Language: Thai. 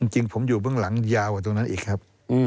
จริงผมอยู่เบื้องหลังยาวกว่าตรงนั้นอีกครับ